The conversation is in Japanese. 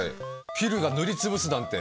ｆｉｌｌが塗りつぶすなんて。